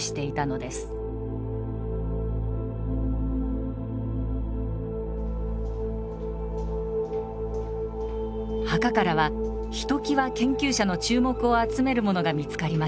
墓からはひときわ研究者の注目を集めるものが見つかりました。